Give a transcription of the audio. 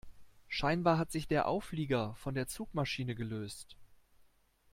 Scheinbar hat sich der Auflieger von der Zugmaschine gelöst.